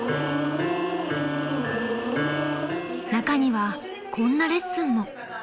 ［中にはこんなレッスンも］